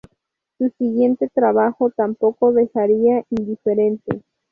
Su siguiente trabajo tampoco dejaría indiferente.